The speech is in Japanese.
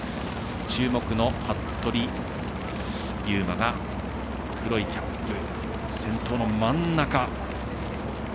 注目の服部勇馬が黒いキャップ、先頭の真ん中。